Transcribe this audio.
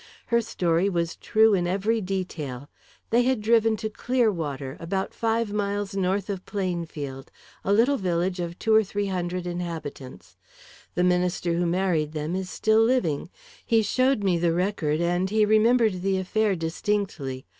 Her story was true in every detail. They had driven to Clearwater, about five miles north of Plainfield, a little village of two or three hundred inhabitants. The minister who married them is still living. He showed me the record, and he remembered the affair distinctly.